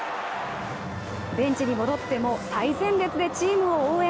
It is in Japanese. ベンチに戻っても最前列でチームを応援。